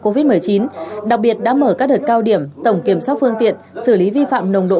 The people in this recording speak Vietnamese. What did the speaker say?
covid một mươi chín đặc biệt đã mở các đợt cao điểm tổng kiểm soát phương tiện xử lý vi phạm nồng độ